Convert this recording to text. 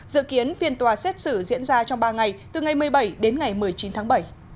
dự kiến phiên tòa xét xử diễn ra trong ba ngày từ ngày một mươi bảy đến ngày một mươi chín tháng bảy